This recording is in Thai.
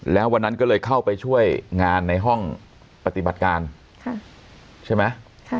แล้ววันนั้นก็เลยเข้าไปช่วยงานในห้องปฏิบัติการใช่ไหม